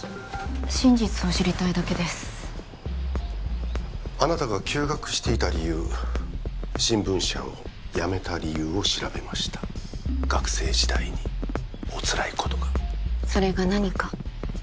真実を知りたいだけですあなたが休学していた理由新聞社を辞めた理由を調べました学生時代におつらいことがそれが何か？